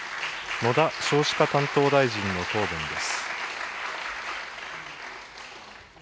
野田少子化担当大臣の答弁です。